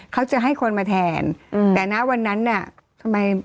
เขาจะให้คนมาแทนอืมแต่นะวันนั้นน่ะทำไม